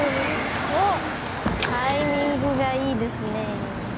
おっタイミングがいいですね。